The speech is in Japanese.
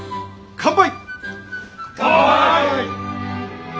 乾杯！